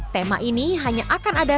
tema ini hanya akan ada